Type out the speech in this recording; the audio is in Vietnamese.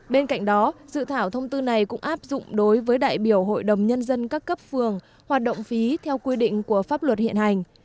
bên cạnh đó dự thảo thông tư này cũng áp dụng đối với đại biểu hội đồng nhân dân các cấp phường hoạt động phí theo quy định của pháp luật hiện hành